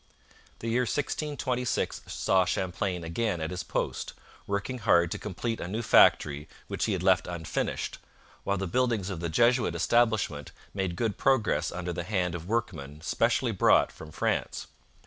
The year 1626 saw Champlain again at his post, working hard to complete a new factory which he had left unfinished, while the buildings of the Jesuit establishment made good progress under the hand of workmen specially brought from France.